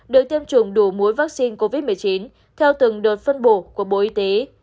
được tiêm chủng đủ mũi vaccine covid một mươi chín theo từng đợt phân bổ của bộ y tế